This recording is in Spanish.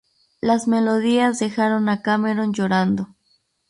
Las melodías dejaron a Cameron llorando.